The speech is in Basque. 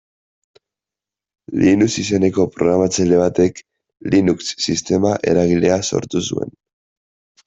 Linus izeneko programatzaile batek Linux sistema eragilea sortu zuen.